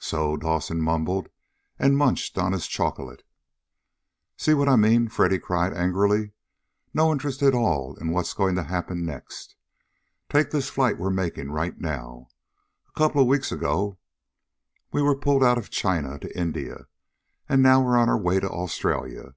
"So?" Dawson mumbled, and munched on his chocolate. "See what I mean?" Freddy cried angrily. "No interest at all in what's going to happen next. Take this flight we're making right now. A couple of weeks ago we were pulled out of China to India. And now we're on our way to Australia.